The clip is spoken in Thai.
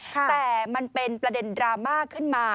แต่มันเป็นประเด็นดราม่าขึ้นมา